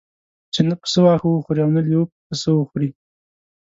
چې نه پسه واښه وخوري او نه لېوه پسه وخوري.